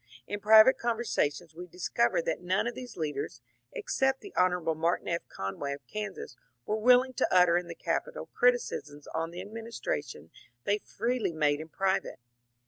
In private conversation we discovered that none of these leaders, except the Hon. Martin F. G>nway of Kansas, were willing to utter in the Capitol criticisms on the administration they freely made in private.